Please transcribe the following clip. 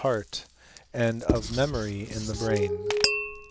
187 hearty and of memory in the brain.